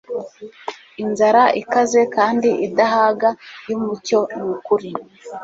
Inzara ikaze kandi idahaga yumucyo nukuri